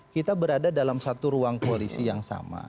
kita berada dalam satu ruang koalisi yang sama